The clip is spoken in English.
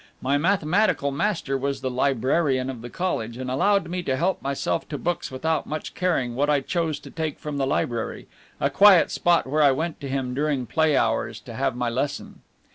My mathematical master was the librarian of the college, and allowed me to help myself to books without much caring what I chose to take from the library, a quiet spot where I went to him during play hours to have my lesson.